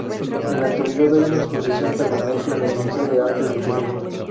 En la actualidad hay una exposición permanente en el Museo de Arte de Tigre.